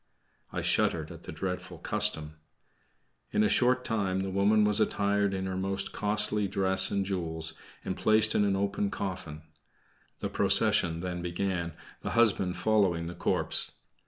I shuddered at the dreadful custom. In a short time the woman was attired in her most costly dress and jewels, and placed in an open coffin. The procession then began, the husband following the corpse.